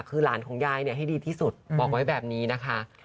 คือหลานของยายให้ดีที่สุดบอกไว้แบบนี้นะคะ